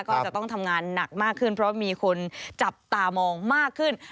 ก็จะต้องทำงานหนักมากขึ้นเพราะมีคนจับตามองมากขึ้น